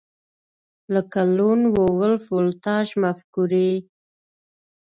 لکه لون وولف ولټاژ مفکورې